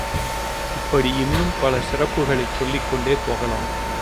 இப்படி இன்னும் பல சிறப்புக்களைச் சொல்லிக் கொண்டே போகலாம்.